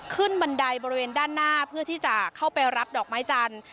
บันไดบริเวณด้านหน้าเพื่อที่จะเข้าไปรับดอกไม้จันทร์